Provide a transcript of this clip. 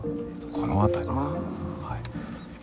この辺りに。